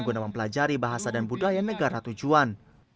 guna mempelajari bahasa dan budaya negara tujuan